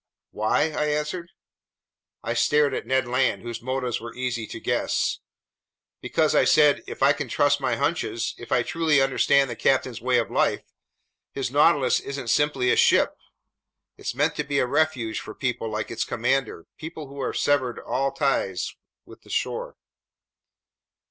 "Why?" I answered. I stared at Ned Land, whose motives were easy to guess. "Because," I said, "if I can trust my hunches, if I truly understand the captain's way of life, his Nautilus isn't simply a ship. It's meant to be a refuge for people like its commander, people who have severed all ties with the shore."